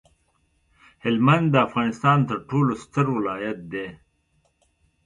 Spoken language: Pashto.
هلمند د افغانستان ترټولو ستر ولایت دی